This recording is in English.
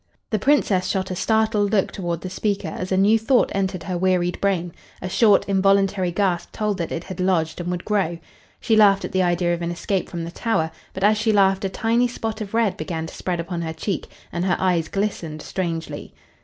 The Princess shot a startled look toward the speaker as a new thought entered her wearied brain; a short, involuntary gasp told that it had lodged and would grow. She laughed at the idea of an escape from the Tower, but as she laughed a tiny spot of red began to spread upon her cheek, and her eyes glistened strangely.